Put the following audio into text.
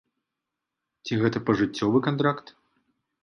Ці гэта пажыццёвы кантракт?